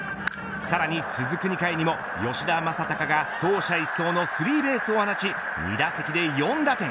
さらに、続く２回にも吉田正尚が走者一掃の３ベースを放ち２打席で４打点。